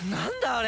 あれ。